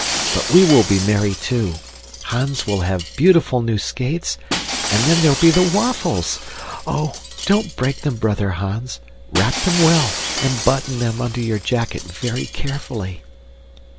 But we will be merry too. Hans will have beautiful new skates and then there'll be the waffles! Oh! Don't break them, brother Hans. Wrap them well, and button them under your jacket very carefully."